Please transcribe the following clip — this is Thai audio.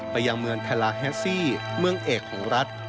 ไปยังเมืองไทยลาแฮสซี่เมืองเอกของรัฐ